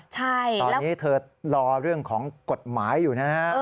ตอนนี้เธอรอเรื่องของกฎหมายอยู่นะฮะ